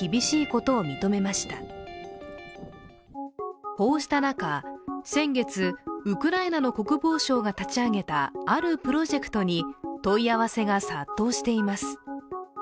こうした中、先月ウクライナの国防省が立ち上げたあるプロジェクトに問い合わせが殺到しています。